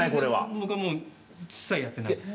僕はもう一切やってないです。